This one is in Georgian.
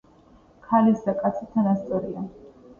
ქალიც და კაციც თანასწორია